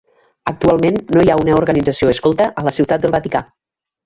Actualment no hi ha una organització escolta a la Ciutat del Vaticà.